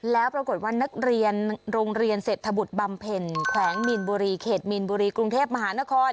แล้วปรากฏว่านักเรียนโรงเรียนเศรษฐบุตรบำเพ็ญแขวงมีนบุรีเขตมีนบุรีกรุงเทพมหานคร